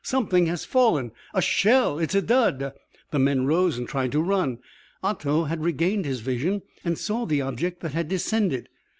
"Something has fallen." "A shell!" "It's a dud!" The men rose and tried to run. Otto had regained his vision and saw the object that had descended.